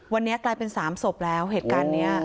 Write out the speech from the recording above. วันนี้กลายเป็น๓ศพแล้วเหตุการณ์นี้